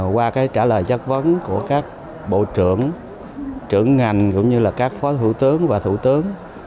qua trả lời giác vấn của các bộ trưởng trưởng ngành cũng như các phó thủ tướng và thủ tướng